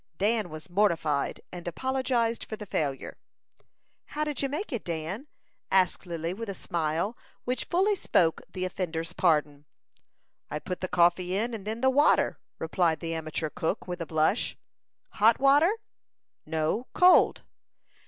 Dan was mortified, and apologized for the failure. "How did you make it, Dan?" asked Lily, with a smile, which fully spoke the offender's pardon. "I put the coffee in, and then the water," replied the amateur cook, with a blush. "Hot water?" "No, cold."